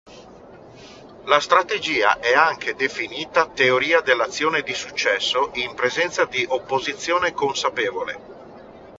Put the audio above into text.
La strategia è anche definita "Teoria dell'azione di successo in presenza di opposizione consapevole".